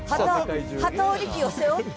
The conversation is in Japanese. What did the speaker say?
機織り機を背負って。